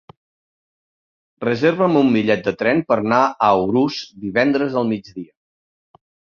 Reserva'm un bitllet de tren per anar a Urús divendres al migdia.